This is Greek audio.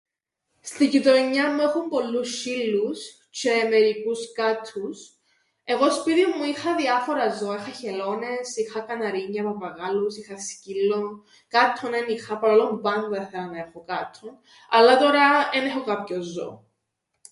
Στην γειτονιάν μου έχουν πολλούς σ̆σ̆ύλλους, τζ̌αι μερικούς κάττους. Εγώ σπίτιν μου είχα διάφορα ζώα, είχα χελώνες, είχα καναρίνια, παπαγάλους, είχα σκύλλον, κάττον εν είχα, παρ' όλον που πάντα ήθελα να έχω κάττον, αλλά τωρά εν έχω κάποιον ζώον.